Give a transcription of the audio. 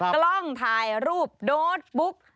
กล้องถ่ายรูปโดสบุ๊ก